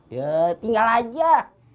ya tinggal aja